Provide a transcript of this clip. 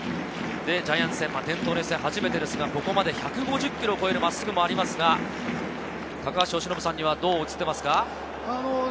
ジャイアンツ戦、伝統の一戦は初めてですが、ここまで１５０キロを超える真っすぐもありますが、どう映っていますか？